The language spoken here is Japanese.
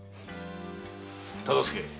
忠相。